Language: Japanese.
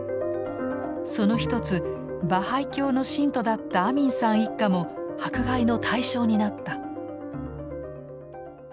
その一つバハイ教の信徒だったアミンさん一家も迫害の対象になった。